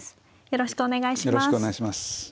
よろしくお願いします。